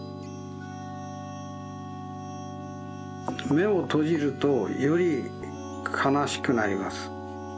めをとじるとよりかなしくなります。